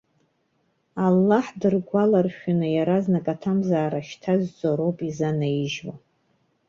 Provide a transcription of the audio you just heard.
Аллаҳ дыргәаларшәаны иаразнак аҭамзаара шьҭазҵо роуп изанаижьуа.